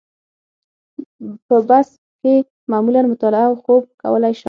په بس کې معمولاً مطالعه او خوب کولای شم.